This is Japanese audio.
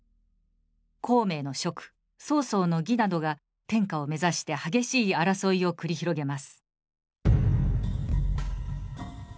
孔明の蜀曹操の魏などが天下を目指して激しい争いを繰り広げます。